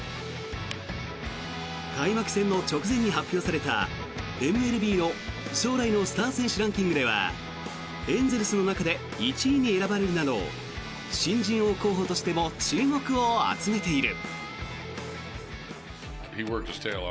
開幕戦の直前に発表されたＭＬＢの将来のスター選手ランキングではエンゼルスの中で１位に選ばれるなど新人王候補としても注目を集めている。